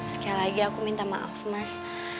sekali lagi aku minta maaf mas